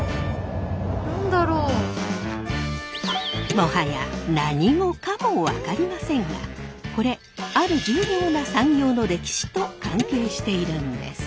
もはや何語かも分かりませんがこれある重要な産業の歴史と関係しているんです。